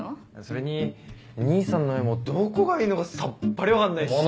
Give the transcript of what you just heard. それに兄さんの絵もどこがいいのかさっぱり分かんないし。